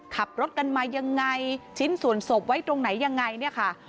ขับรถกันมายังไงชิ้นส่วนศพไว้ตรงไหนยังไงเนี่ยค่ะ